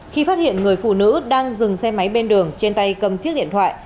khi phát hiện người phụ nữ đang dừng xe máy bên đường trên tay cầm chiếc điện thoại